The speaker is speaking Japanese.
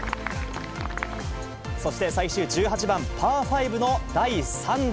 そして、最終１８番パー５の第３打。